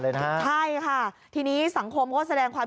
ในฐานะเจ้าหน้าที่เป็นที่เล่าเรียณนะครับ